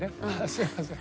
すみません。